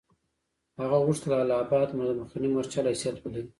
هغه غوښتل اله آباد د مخکني مورچل حیثیت ولري.